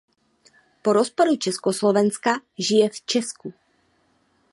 Po rozpadu Československa žije v Česku.